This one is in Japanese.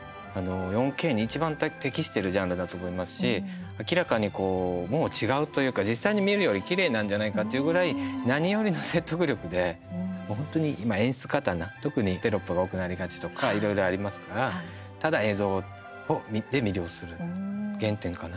４Ｋにいちばん適しているジャンルだと思いますし明らかにもう違うというか実際に見るよりきれいなんじゃないかというぐらい何よりの説得力で本当に今、演出過多な特にテロップが多くなりがちとかいろいろありますからただ映像で魅了する原点かなと。